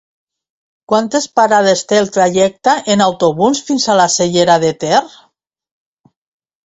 Quantes parades té el trajecte en autobús fins a la Cellera de Ter?